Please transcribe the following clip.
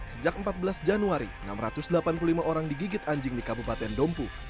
sejak empat belas januari enam ratus delapan puluh lima orang digigit anjing di kabupaten dompu